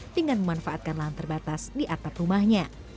dengan memanfaatkan lahan terbatas di atap rumahnya